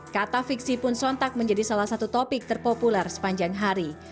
kata fiksi pun sontak menjadi salah satu topik terpopuler sepanjang hari